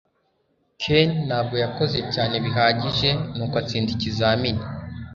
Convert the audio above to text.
ken ntabwo yakoze cyane bihagije, nuko atsinda ikizamini